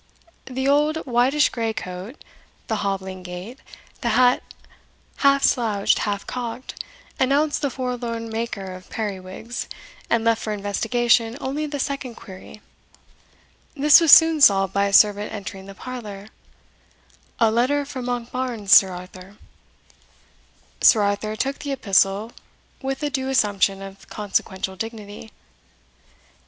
The old whitish grey coat, the hobbling gait, the hat half slouched, half cocked, announced the forlorn maker of periwigs, and left for investigation only the second query. This was soon solved by a servant entering the parlour, "A letter from Monkbarns, Sir Arthur." Sir Arthur took the epistle with a due assumption of consequential dignity.